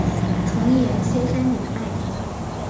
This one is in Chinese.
重檐歇山顶的拜亭。